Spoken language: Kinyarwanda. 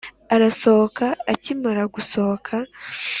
arasohoka akimara gusohoka